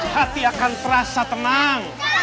hati akan terasa tenang